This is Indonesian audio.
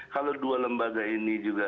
kalau dua lembaga ini juga